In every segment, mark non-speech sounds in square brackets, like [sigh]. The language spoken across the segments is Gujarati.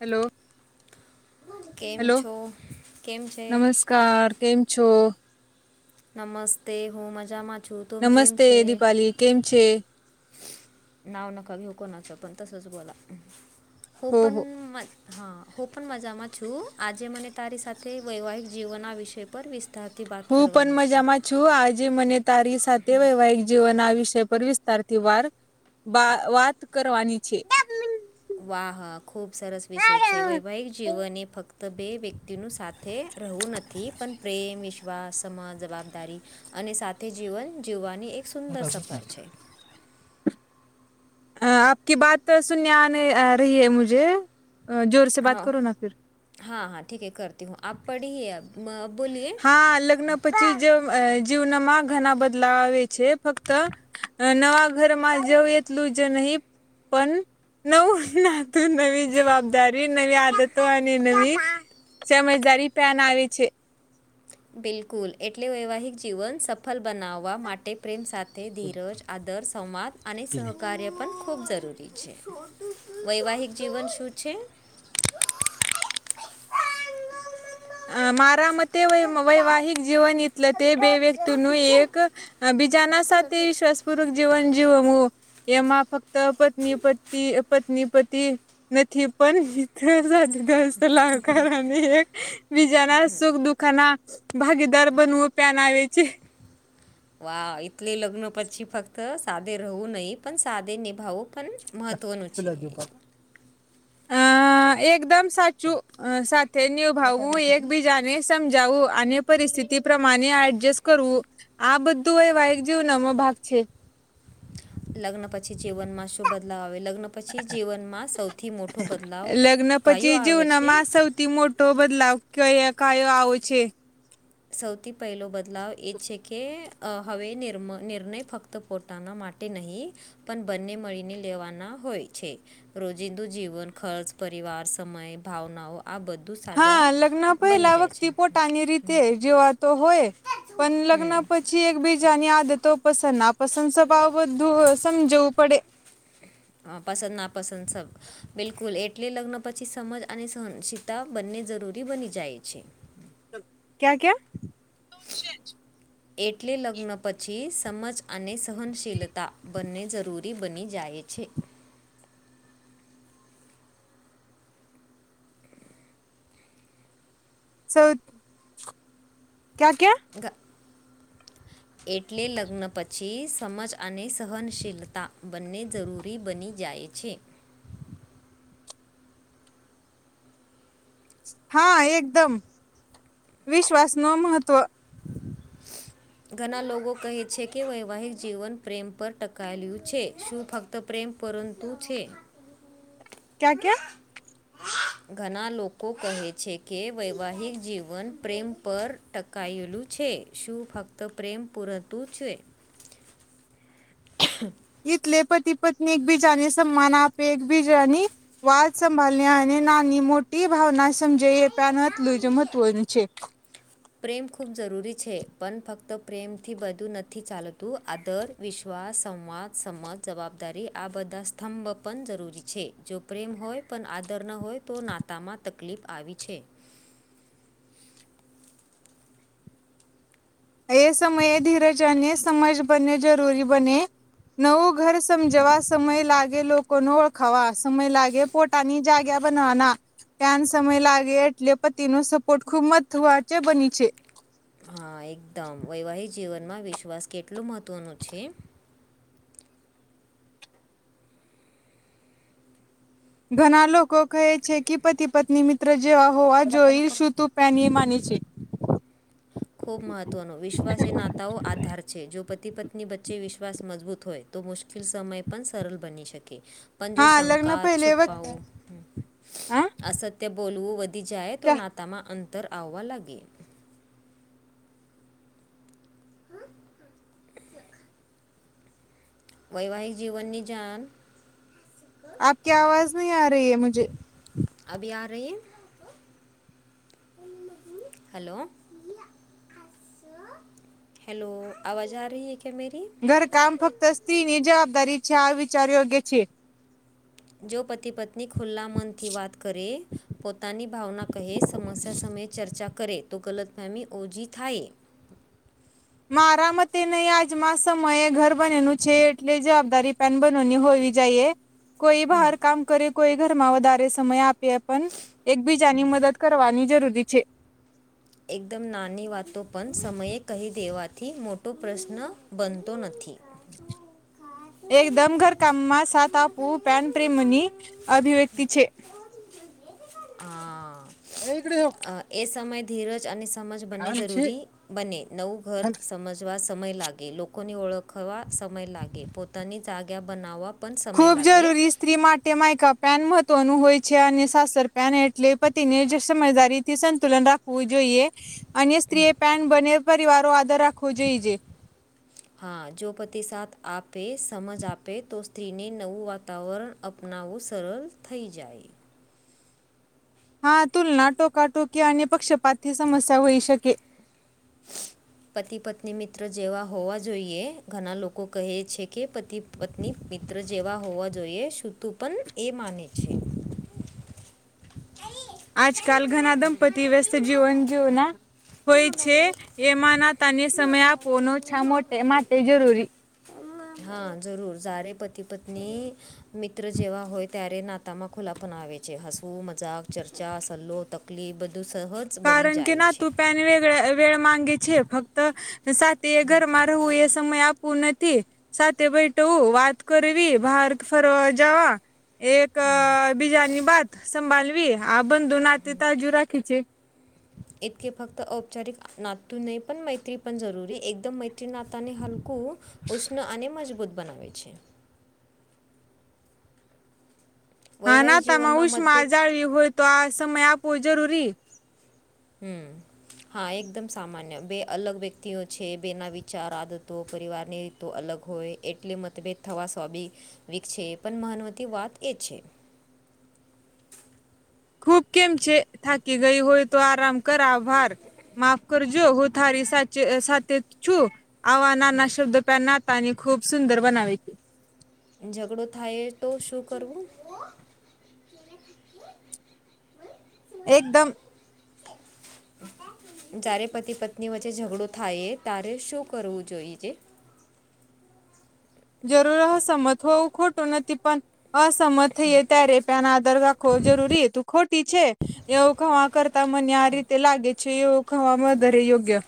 હેલો કેમ છો કેમ છે? કાર કેમ છો? નમસ્તે હું મજામાં છું તુમ કેમ છે? એ કેમ છે? [unintelligible] હો હો હા, હું પન મજામાં છું આજે મને તારી સાથે વૈવાહિક જીવનના વિષય પર વિસ્તાર હું પનમજામાં છું આજે મને તારી સાથે વૈવાહિક જીવનના વિષ પર વિસ્તારથી વાર વા વાત કરવાની છે. વાહ, ખૂબ સરસ વિષય છે વૈવાહિક જીવન એ ફ ક્ત બે વ્યક્તિનું સાથે રહવું નથી પણ પ્રેમ વિશ્વાસ સમજ જવાબદારી અને સાથે જીવન જીવવાની એક સુંદર સફર છે. અ આપકી બાત સુનને આને આ રહી હે મુજે અ જોરસે બાત કરો ના ફિર હાં હાં ઠીક હે કરતી હું આપ પઢીએ અબ બોલીએ. હાં, લગ્ન પછી જ જીવનમાં ઘના બદલાવે છે ફક્ત અ નવા ઘરમાં જવું એટલું જ નહીં પણ નવું ના તો નવી જવાબદારી, નવી આદતો અને નવી સમજદારી પણ આવી છે. બિલકુલ એટલે વૈવાહિક જીવન સફળ બનાવવા માટે પ્રેમ સાથે ધીરજ, આદર, સંવાદ અને સહકાર્ય પણ ખૂબ જરૂરી છે. વૈવાહિક જીવન શું છે? અ મારા મતે વૈવાહિક જીવન એટલે તે બે વ્યક વ્યક્તિ નું એક બીજાના સાથે વિશ્વાસપૂર્વક જીવન જીવવું. એમાં ફક્ત પત્ની, પત્ની, પત્ની પતિ નથી પણ મિત્ર સાથે દ સલાકાર અને એક બીજાના સુખ દુખાના ભાગીદાર બનવું પ્યાન આવે છે. વા એટલે લગ્ન પછી ફક્ત સાથે રહવું નહી પણ સાથે નિભાવું પણ મહત્ત્વનું છે. અ એકદમ સાચું અ, સાથે નિભાવવું, એકબીજાને સમજાવું અને પરિસ્થિતિ પ્રમાણે એડજસ્ટ કરવું આ બધું વૈવાહિક જીવનમાં ભાગ છે. લગ્ન પછી જીવનમાં શું બદલાવ આવે? લગ્ન પછી જીવનમાં સૌથી મોટો બદલાવ લગ્ન કાયો પછી આવે છે? જીવનમાં સૌથી મોટો બદલાવ ક કયો આવે છે? સૌથી પહેલો બદલાવ એ છે કે હવે નીમ નિર્ણય ફક્ત પોતાના માટે નહીં પણ બંને મળીને લેવાના હોય છે. રોજિંદુ જીવન ખર્ચ, પરિવાર, સમય, ભાવનાઓ આ બધું હા, સાજા લગ્ન બની પહેલા જાય છે વ્યક્તિ પોટની રીતે જે વાત તો હોય પણ લગ્ન હમ પછી એક બીજાની આદતો પસંદ ના પસંદ સભાવ બ તો સમજાવું પડે. હા પસંદ, નાપસંદ સ બિલકુલ એટલે લગ્ન પછી સમજ અને સહનશિતા બંને જરૂરી બની જાય છે. ક્યા-ક્યા છે જ? એટલે લગ્ન પછી સમજ અને સહનશીલતા બને જરૂરી બની જાય છે. સૌ ક્યા-ક્યા ગા એટલે લગ્ન પછી સમજ અને સહનશીલતા બંને જરૂરી થી બની જાય છે. હા એકદમ વિશ્વાસ નો મહત્વ [unintelligible] ઘણા લોકો કહે છે કે વૈવાહિક જીવન પ્રેમ પર ટકાયેલું છે. શું ફક્ત પ્રેમ પરંતુ છે? ક્યા? ક્યા? [unintelligible] ઘણા લોકો કહે છે કે વૈવાહિક જીવન પ્રેમ પર ટકેલુ ટકાયેલું છે શું ફક્ત પ્રેમ પૂરતું છે? [unintelligible] એટલે પતિ પત્ની એકબીજા ની સન્માન આપે, એકબીજાની વાત સંભાળને અને નાની મોટી ભાવના સમજાય એટલું જ મહત્વનું છે. પ્રેમ ખૂબ જરૂરી છે, પણ ફક્ત પ્રેમથી બધું નથી ચાલતું આદર વિશ્વાસ, સંવાદ, સમજ, જવાબદારી આ બધા સ્તંભ પણ જરૂરી છે. જો પ્રેમ હોય પણ આદર ન હોય તો નાતામાં તકલીફ આવી છે. એ સમયે ધીરજ અને સમજ બન્ને જરૂરી બને નવું ઘર સમજવા સમય લાગે લોકોને ઓળખાવા સમય લાગે પોટાની જાગ્યા બનવાના ત્યાન સમય લાગે એટલે પતિ નો સપોર્ટ ખુબ [unintelligible] બની છે હા એકદમ વૈવાહિક જીવનમાં વિશ્વાસ કેટલો મહત્ત્વનો છે. ઘણા લોકો કહે છે કે પતિ પત્ની મિત્ર જેવા હોવા જોઈલ શું તું [unintelligible] ખૂબ મહત્વનો વિશ્વાસ એ નાતાઓ આધાર છે જો પતિ પત્ની વચ્ચે વિશ્વાસ મજબૂત હોય તો મુશ્કેલ સમય પણ સરળ બની શકે. પણ જો હા લગ્ન શંકા, પહેલે વક્ત છુપાવવુ હા અસત્ય બોલવું વધી જાય તો ક્યા નાતામાં અંતર આવવા લાગે. હા વૈવાહિક જીવનની જાન [unintelligible] [unintelligible] [unintelligible] ઘરકામ ફક્ત સ્ત્રી ની જવાબદારી છે આ વિચાર યોગ્ય છે? જો પતિ પત્ની ખુલ્લા મનથી વાત કરે પોતાની ભાવના કહે સમસ્યા સમયે ચર્ચા કરે તો ગલતફેમી ઓછી થાય. મારા મતે નહી આજમાં સમયે ઘર બનેલું છે એટલે જવાબદારી પેન બનેવની હોવી જઈએ. કોઈ બહાર કામ કરે કોઈ ઘરમાં વધારે સમય આપે પણ એકબીજાની મદદ કરવાની જરૂરી છે. એકદમ નાની વાતો પણ સમયે કહી દેવાથી મોટો પ્રશ્ન બનતો નથી. [inaudible] એકદમ ઘરકામમાં સાથ આપવું પણ પ્રેમની અભિવ્યક્તિ છે. [unintelligible] હા એ સમય ધીરજ અને સમજ બંને જરૂરી બને નવું ઘર સમજ વા સમય લાગે, લોકોને ઓળખવા સમય લાગે, પોતાની જાગ્યા બનાવવા પણ સમય ખૂબ લાગે જરૂરી સ્ત્રી માટે તે માયકા પેન મહત્વનું હોય છે અને સાસર પેન એટલે પતિને સમજદારી થી સંતુલન રાખ વું જોઈએ અન્ય સ્ત્રીએ પેન બંન્ને પરિવારો આદર રાખવો જોઈએ. હા જો પતિ સાથ આપે, સમજ આપે તો સ્ત્રીને નવું વા તાવરણ અપનાવવું સરળ થય જાય. હા તુલના ટોકાટોકી અને પક્ષપાતથી સમસ્યા હોઈ શકે [inaudible] પતિ પત્ની મિત્ર જેવા હોવા જોઈએ ઘણા લોકો કહે છે કે પતિ પત્ની મિત્ર જેવા હોવા જોઈએ શું તું પણ એ માને છે. આજકાલ ઘના દંપતિ વ્યસ્ત જીવન જીવના હોય છે એમાંના તને સમય [unintelligible] માટે જરૂરી [unintelligible] હા જરૂર જારે પતિ પત્ની મિત્ર જેવા હોય ત્યારે નાતામાં ખુલ્લા પણ આવે છે હસવું મજાક ચર્ચા [unintelligible] [unintelligible] કારણ કે જાય ના છે તું [unintelligible] માંગે છે ફક્ત સાથે એ ઘરમાં વું એ સમય આપવું નથી. સાથે બેઠવુ, વાત કરવી, બહાર ફરવા જવા એક [unintelligible] બીજાની બાત સંભાળવી આ બંધુ નાતે તાજુ રાખે છે. એ તકે ફક્ત ઔપચારિક નાતું નહીં પણ મૈત્રી પણ જરૂરી એકદમ મૈત્રી નાતાને હાલવ કું ઉષ્ણ અને મજબૂત બનાવે છે. હા વૈવાહિક નાતામાં જીવનમાં ઉષ્મા મતભેદ જાળવી હોય તો આ સમય આપવો જરૂરી. હમમ. હા એકદમ સામાન્ય બે અલગ વ્યક્તિઓ છે બેના વિચારો, આદતો પરિવારની તો અલગ હોય એટલે મતભેદ થવા સ્વાભાવિક છે પણ મહનવતી વાત એ છે. ખૂબ કેમ છે થાકી ગઈ હોય તો આરામ કર આભાર. માફ કરજો હું તારી સાચ સાથે છું. આવા નાના શબ્દ પ્યા નાતાની ખૂબ સુંદર બનાવે. ઝઘડો થાય જ તો શું કરવું? [inaudible] એકદમ. [inaudible] જ્યારે પતિ પત્ની વચ્ચે ઝઘડો થાય ત્યારે શું કરવું જોઈ જે? જરૂર અસમત હોવું ખોટું નથી પણ અસમત થઈએ ત્યારે ના આદર રાખવો જરૂરી તું ખોટી છે એવું ખવા કર કરતા મને આ રીતે લાગે છે એવું ખવામાં વધારે યોગ્ય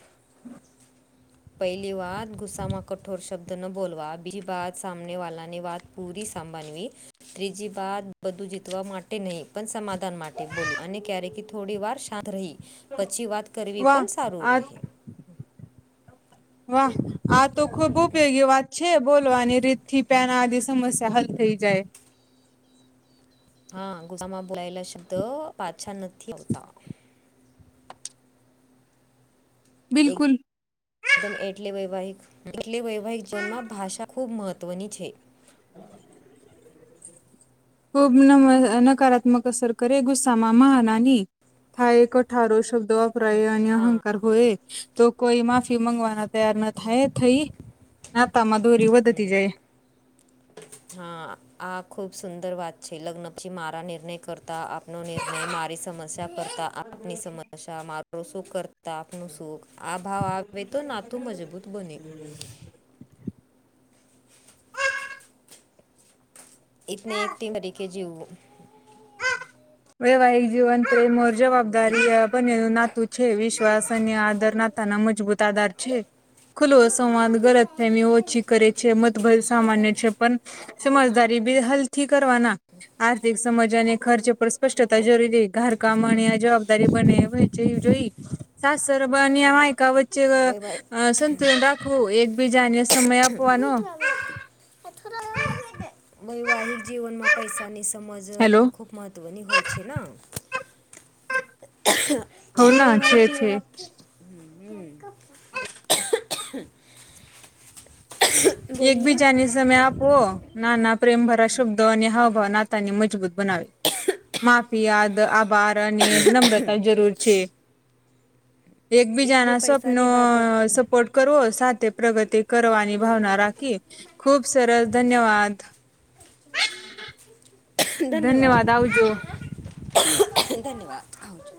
પહેલી વાત ગુસ્સામાં કઠોર શબ્દ ન બોલવા, બીજી બાત સામને વાળાની વાત પૂરી સાંભનવી. ત્રીજી વાત બધું જીતવા માટે નહીં પણ સમાધાન માટે બોલું અને ક્યારેક થોડી વાર શાંત રહી. પછી વાત કરવી વાહ પણ સારું આ રહે. વાહ આ તો ખુબ ઉપયોગી વાત છે બોલવાની રીત થી પેયાના આગે સમસ્યા હલ થઈ જાય. હા ગુસ્સામાં બોલાયેલા શબ્દ પાછા નથી આવતા. બિલકુલ. એકદમ એટલે વૈવાહિક વેવાહિક જીવનમાં ભાષા ખૂબ મહત્વની છે. [inaudible] ખૂબ ન નકારાત્મક અસર કરે ગુસ્સામાં મહનાની થાય કોઠારો શબ્દ વપરાય અને હા અહંકાર હોય તો કોઈ માફી મંગવાના તૈયાર ના થાય થઈ નાતામાં દોરી વધતી જાય. હા આ ખુબ સુંદર વાત છે લગ્ન પછી મારા નિર્ણય કરતા નો નિર્ણય મારી સમસ્યા કરતા આપની સમસ્યા મા તો શુ કર તા આપનું શું. આ ભાવ આવે તો નાતું મજબૂત બને. [unintelligible] એતને એક તી તરીકે જિવુ વૈવાહિક જીવન તે મોર જ કાર્ય બનેલૂ નાતું છે, વિશ્વાસ અને આદર નાતા ના મજબૂત આધાર છે. ખુલ્લો સંવાદ ગલત ફેમી ઓછી કરે છે, મતભેદ સામાન્ય છે પણ સમજદારી બે હલ થી કરવાના આર્થિક સમજ અને ખર્ચ પર સ્પષ્ટતા જરૂરી ઘા કમાણી અને જવાબદારી બને વચાંયુ જોઈ સાસબા ની કાવ વૈવાહિક અ સંતુલન રાખવું એકબીજાને સમય આપવાનો. વૈવાહિક જીવનમાં પૈસાની સમજ હેલો પણ ખૂબ મહત્ત્વની હોય છે ન. હોના છે વ્યવાહીક જીવન છે માં [unintelligible] [unintelligible] એકબીજા ને સ સમય આપવો નાના પ્રેમ ભરા શબ્દો અને હાવભાવ નાતા ને મજબૂત બનાવે. માફિયાદ, આભાર અને નમ્રતા ની જરૂર છે. એટલે એકબીજાના સપનો પૈસાની બાબત સ પણ સપોર્ટ કરવો સાથે પ્રગતિ કરવાની ભાવના રાખી ખુબ સરસ. ધન્યવાદ. [unintelligible] ધન્યવાદ, ધન્યવાદ, આવજો.